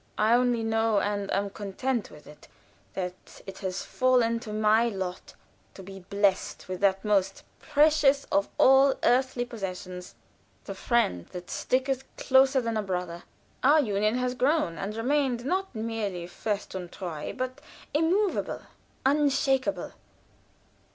I only know, and am content with it, that it has fallen to my lot to be blessed with that most precious of all earthly possessions, the "friend" that "sticketh closer than a brother." Our union has grown and remained not merely "fest und treu," but immovable, unshakable.